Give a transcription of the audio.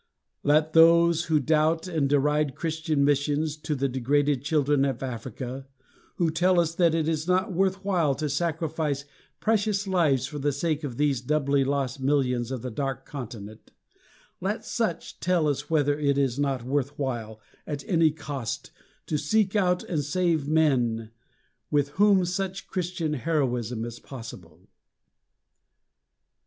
Let those who doubt and deride Christian missions to the degraded children of Africa, who tell us that it is not worth while to sacrifice precious lives for the sake of these doubly lost millions of the Dark Continent, let such tell us whether it is not worth while, at any cost, to seek out and save men with whom such Christian heroism is possible.